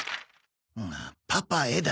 「パパへ」だ。